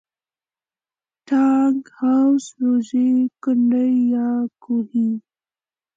ټانک، حوض، ژورې کندې یا کوهي.